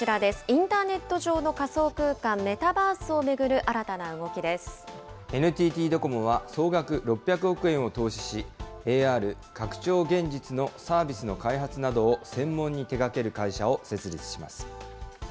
インターネット上の仮想空間・メＮＴＴドコモは、総額６００億円を投資し、ＡＲ・拡張現実のサービスの開発などを専門に手掛ける会社を設立します。